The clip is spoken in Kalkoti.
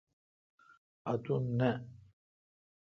اتون تھ۔